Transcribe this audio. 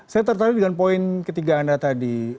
saya tertarik dengan poin ketiga anda tadi